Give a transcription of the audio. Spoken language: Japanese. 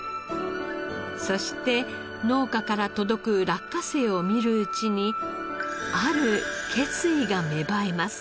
そして農家から届く落花生を見るうちにある決意が芽生えます。